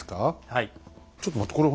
はい。